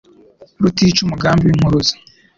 Rutica umugambi w' impuruza